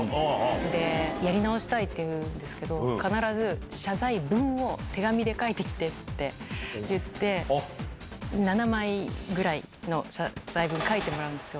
で、やり直したいって言うんですけど、必ず、謝罪文を手紙で書いてきてって言って、７枚ぐらいの謝罪文書いてもらうんですよ。